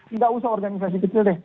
tidak usah organisasi kecil deh